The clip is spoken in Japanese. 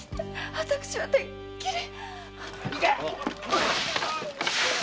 私はてっきり。